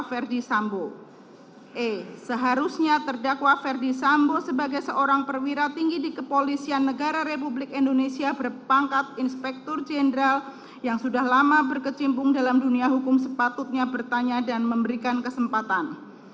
verdi sambo e seharusnya terdakwa ferdi sambo sebagai seorang perwira tinggi di kepolisian negara republik indonesia berpangkat inspektur jenderal yang sudah lama berkecimpung dalam dunia hukum sepatutnya bertanya dan memberikan kesempatan